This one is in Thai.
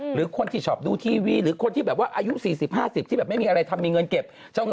หรือคนที่ชอบดูทีวีหรือคนที่แบบว่าอายุ๔๐๕๐ที่แบบไม่มีอะไรทำมีเงินเก็บ